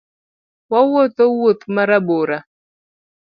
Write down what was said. Wawuotho wuoth marabora